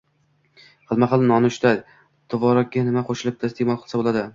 Xilma-xil nonushta: Tvorogga nima qo‘shib iste’mol qilsa bo‘ladi?